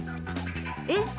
えっ？